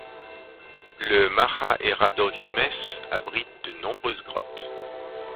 Le Maja e Radohimës abrite de nombreuses grottes.